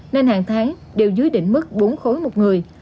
nên hàng tháng đều dưới đỉnh mức bốn khối một người